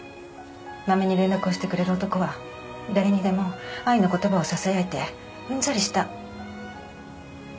まめに連絡をしてくれる男は誰にでも愛の言葉をささやいてうんざりした。